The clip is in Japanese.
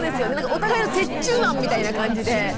お互いの折衷案みたいな感じで。